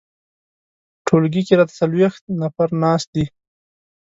ټولګي کې راته څلویښت نفر ناست دي.